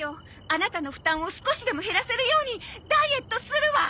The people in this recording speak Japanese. アナタの負担を少しでも減らせるようにダイエットするわ！